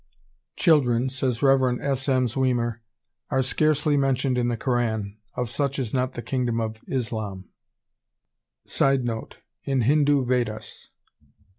"Children," says Rev. S. M. Zwemer, "are scarcely mentioned in the Koran; of such is not the Kingdom of Islam." [Sidenote: In Hindu Vedas.